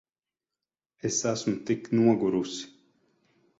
Es esmu tik nogurusi.